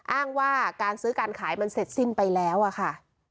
อ้างว่าการซื้อการขายมันเสร็จสิ้นไปแล้วอะค่ะ